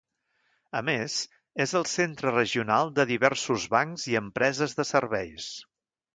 A més, és el centre regional de diversos bancs i empreses de serveis.